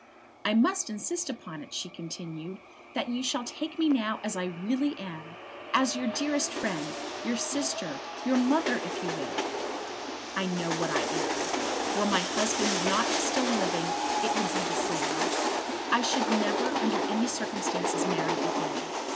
"I must insist upon it," she continued, "that you shall take me now as I really am, as your dearest friend, your sister, your mother, if you will. I know what I am. Were my husband not still living it would be the same. I should never under any circumstances marry again.